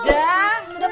terima kasih be hulk